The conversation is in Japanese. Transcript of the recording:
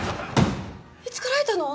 いつからいたの？